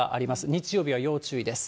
日曜日は要注意です。